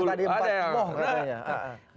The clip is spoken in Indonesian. ada yang temoh tadi